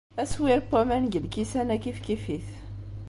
Aswir n waman deg lkisan-a kifkif-it.